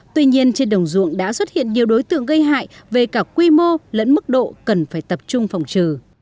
tuy nhiên trên đồng ruộng đã xuất hiện nhiều đối tượng gây hại về cả quy mô lẫn mức độ cần phải tập trung phòng trừ